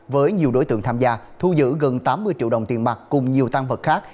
với nhiều đối tượng tham gia thu giữ gần tám mươi triệu đồng tiền mặt cùng nhiều tăng vật khác